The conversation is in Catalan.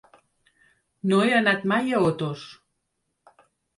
No he anat mai a Otos.